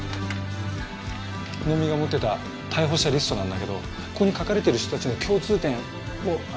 能見が持ってた逮捕者リストなんだけどここに書かれてる人たちの共通点をな